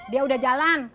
dia udah jalan